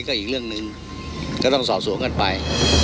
ก็อีกเรื่องหนึ่งก็ต้องสอบสวนกันไป